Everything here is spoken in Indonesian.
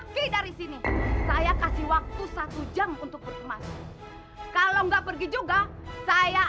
papa nenek ini